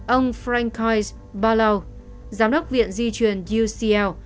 ông frank coi balao giám đốc viện di truyền ucl